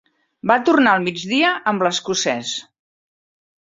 Va tornar al migdia amb l'escocès.